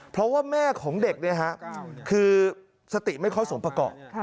เพราะว่าแม่ของเด็กคือสติไม่ค่อยสมประกอบ